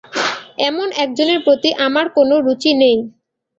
এমন একজনের প্রতি আমার কোনো রুচি নেই।